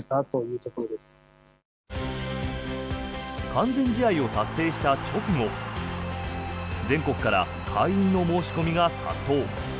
完全試合を達成した直後全国から会員の申し込みが殺到。